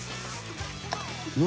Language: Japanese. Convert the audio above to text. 「何？